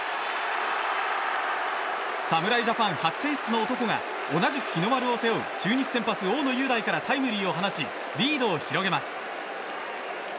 侍ジャパン初選出の男が同じく日の丸を背負う中日先発、大野雄大からタイムリーを放ちリードを広げます。